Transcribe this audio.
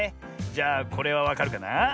じゃあこれはわかるかな？